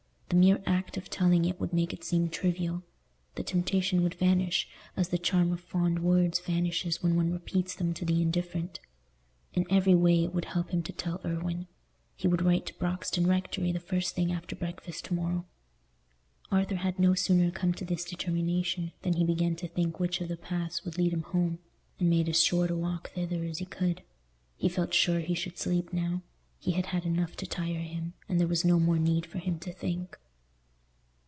The mere act of telling it would make it seem trivial; the temptation would vanish, as the charm of fond words vanishes when one repeats them to the indifferent. In every way it would help him to tell Irwine. He would ride to Broxton Rectory the first thing after breakfast to morrow. Arthur had no sooner come to this determination than he began to think which of the paths would lead him home, and made as short a walk thither as he could. He felt sure he should sleep now: he had had enough to tire him, and there was no more need for him to think.